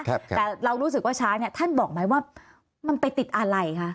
แต่เรารู้สึกว่าช้างเนี่ยท่านบอกไหมว่ามันไปติดอะไรคะ